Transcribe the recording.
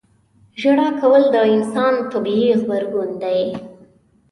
• ژړا کول د انسان طبیعي غبرګون دی.